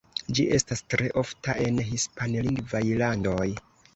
Ĝi estas tre ofta en hispanlingvaj landoj.